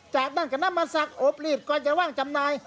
จากด้านกันน้ำมันสักโอบลีทก่อนจะว่างจำนาย